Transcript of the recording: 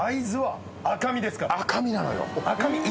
赤身なのよ。